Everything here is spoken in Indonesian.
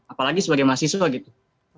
apalagi sebagai mahasiswa gitu